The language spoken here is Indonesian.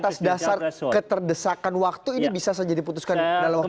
atas dasar keterdesakan waktu ini bisa saja diputuskan dalam waktu